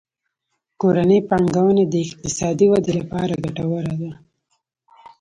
کورنۍ پانګونه د اقتصادي ودې لپاره ګټوره ده.